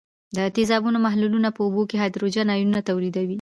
د تیزابونو محلولونه په اوبو کې هایدروجن آیونونه تولیدوي.